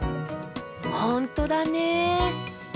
ほんとだね。